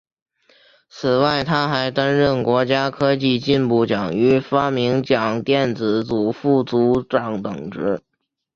此外他还担任国家科技进步奖与发明奖电子组副组长等职。